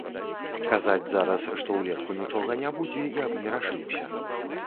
Казаць зараз, што ўлетку нічога не будзе, я б не рашыўся.